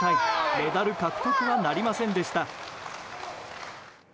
メダル獲得はなりませんでした。